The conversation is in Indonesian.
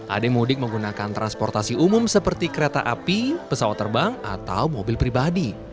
ada yang mudik menggunakan transportasi umum seperti kereta api pesawat terbang atau mobil pribadi